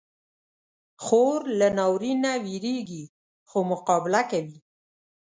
خور له ناورین نه وېریږي، خو مقابله کوي.